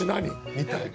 みたいな。